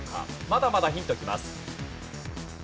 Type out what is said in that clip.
まだまだヒントきます。